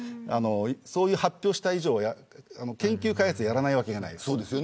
そういう発表をした以上は研究開発をやらないわけがない。